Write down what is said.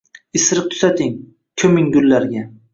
“Isiriq tutating. Ko’ming gullarga